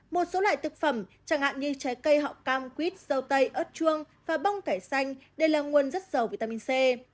một số loại thực phẩm chẳng hạn như trái cây họng cam quýt rau tây ớt chuông và bông cải xanh đều là nguồn rất giàu vitamin c